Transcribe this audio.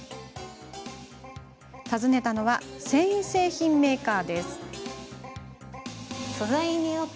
訪ねたのは繊維製品メーカー。